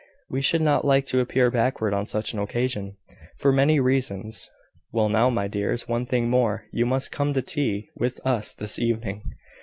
We should not like to appear backward on such an occasion, for many reasons. Well now, my dears; one thing more. You must come to tea with us this evening.